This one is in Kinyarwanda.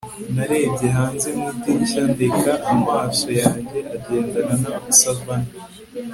narebye hanze mu idirishya ndeka amaso yanjye agendana na savannah